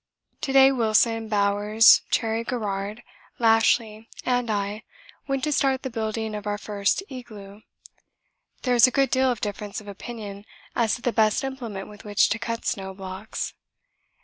To day Wilson, Bowers, Cherry Garrard, Lashly, and I went to start the building of our first 'igloo.' There is a good deal of difference of opinion as to the best implement with which to cut snow blocks.